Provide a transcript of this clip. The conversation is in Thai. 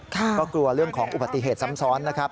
ก็กลัวเรื่องของอุบัติเหตุซ้ำซ้อนนะครับ